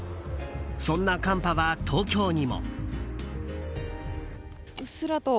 そんな寒波は東京にも。